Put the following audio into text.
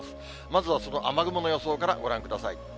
まずはその雨雲の予想からご覧ください。